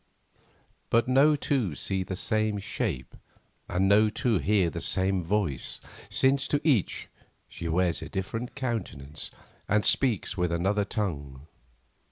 But no two see the same shape, and no two hear the same voice, since to each she wears a different countenance, and speaks with another tongue.